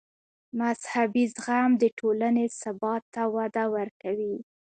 مذهبي زغم د ټولنې ثبات ته وده ورکوي.